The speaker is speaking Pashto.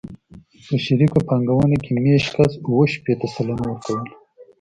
په شریکه پانګونه کې مېشت کس اوه شپېته سلنه ورکوله